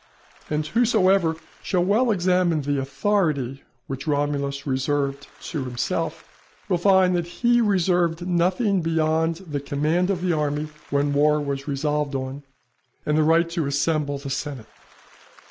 And whosoever shall well examine the authority which Romulus reserved to himself, will find that he reserved nothing beyond the command of the army when war was resolved on, and the right to assemble the senate.